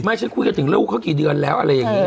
ฉันคุยกันถึงลูกเขากี่เดือนแล้วอะไรอย่างนี้